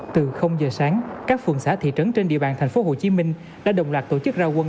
từ giờ sáng các phường xã thị trấn trên địa bàn tp hcm đã đồng loạt tổ chức ra quân